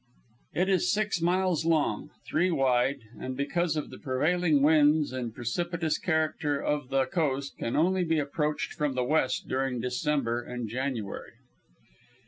It is six miles long, three wide, and because of the prevailing winds and precipitous character of the coast can only be approached from the west during December and January.